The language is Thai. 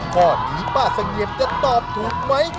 ข้อนี้ป้าเสงี่ยมจะตอบถูกไหม